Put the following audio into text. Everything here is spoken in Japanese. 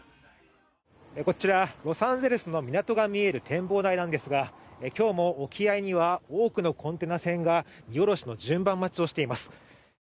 こちらロサンゼルスの港が見える展望台なんですが今日も沖合には多くのコンテナ船が荷降ろしの順番待ちをしています。